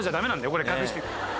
これ隠して。